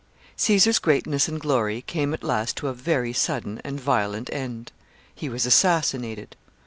Caesar's greatness and glory came at last to a very sudden and violent end. He was assassinated.